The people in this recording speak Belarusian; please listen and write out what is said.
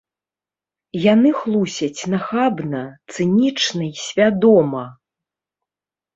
Яны хлусяць нахабна, цынічна і свядома.